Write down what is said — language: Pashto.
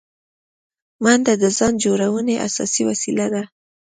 منډه د ځان جوړونې اساسي وسیله ده